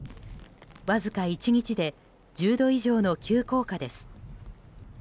わずか１日で１０度以上の急降下です。